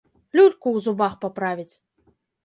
Люльку ў зубах паправіць.